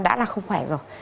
đã là không khỏe rồi